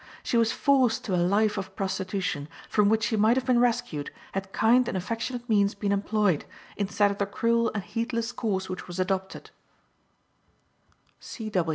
She was forced to a life of prostitution, from which she might have been rescued had kind and affectionate means been employed, instead of the cruel and heedless course which was adopted.